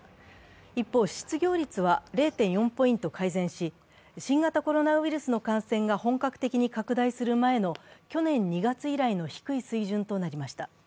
一方、失業率は０．４ポイント改善し、新型コロナウイルスの感染が本格的に拡大する前の去年２月以来の低い水準となりました。